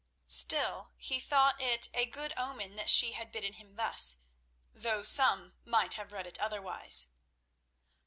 Still he thought it a good omen that she had bidden him thus, though some might have read it otherwise.